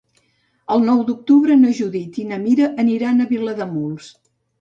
El nou d'octubre na Judit i na Mira aniran a Vilademuls.